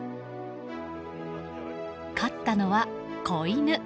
勝ったのは、子犬。